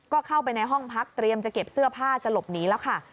ก็เข้าไปในห้องพักเตรียมจะเก็บเสื้อผ้าจะหลบหนีแล้วค่ะ